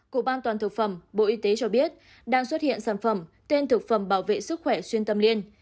cục an toàn thực phẩm bộ y tế cho biết đang xuất hiện sản phẩm tên thực phẩm bảo vệ sức khỏe xuyên tâm liên